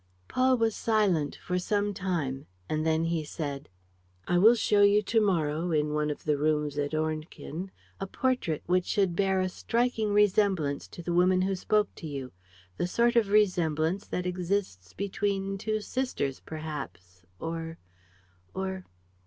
Paul was silent for some time and then said: "I will show you to morrow, in one of the rooms at Ornequin, a portrait which should bear a striking resemblance to the woman who spoke to you, the sort of resemblance that exists between two sisters perhaps ... or ... or